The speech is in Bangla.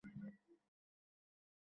এই লড়াই আমার উপর ছেড়ে যাও।